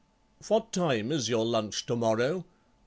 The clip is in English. "What time is your lunch to morrow?"